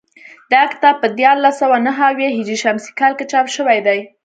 دا کتاب په دیارلس سوه نهه اویا هجري شمسي کال کې چاپ شوی دی